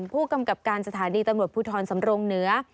ผู้กำกับการสถานีตำรวจภูทรสำรงเหนือ